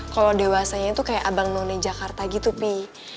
kalau dewasanya itu kayak abang none jakarta gitu pi